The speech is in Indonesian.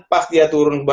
pas dia turun